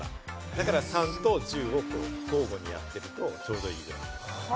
だから３と１０を交互にやって、ちょうどいい。